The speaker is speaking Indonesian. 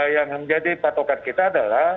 yang menjadi patokan kita adalah